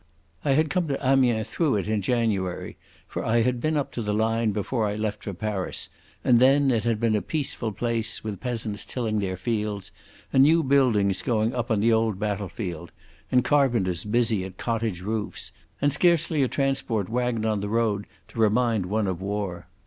I had come to Amiens through it in January, for I had been up to the line before I left for Paris, and then it had been a peaceful place, with peasants tilling their fields, and new buildings going up on the old battle field, and carpenters busy at cottage roofs, and scarcely a transport waggon on the road to remind one of war.